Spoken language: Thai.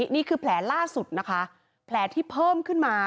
นี่ควีห่าแผลรุ่วพลเล่า